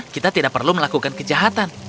kita tidak perlu melakukan kejahatan